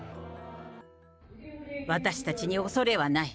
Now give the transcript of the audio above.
私たちに恐れはない。